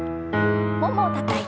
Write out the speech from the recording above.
ももをたたいて。